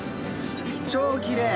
超きれい。